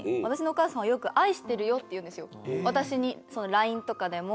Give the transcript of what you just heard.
ＬＩＮＥとかでも。